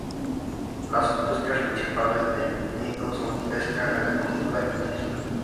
Las industrias principales de El Nido son pesca, agricultura y turismo.